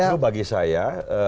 justru bagi saya